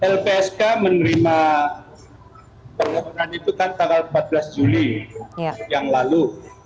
lpsk menerima permohonan itu kan tanggal empat belas juli yang lalu